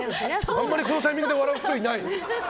あまりこのタイミングで笑う人いない。